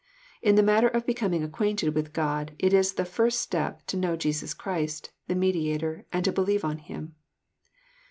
In the matter of becoming acquainted with God it is the first step to know Jesus Christ, the Mediator, and to believe on Him.